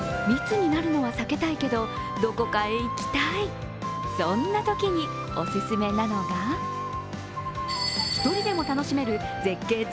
密になるのは避けたいけど、どこかへ行きたい、そんなときにお勧めなのが一人でも楽しめる絶景